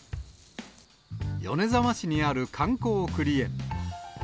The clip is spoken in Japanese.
米沢市にある観光クリ園。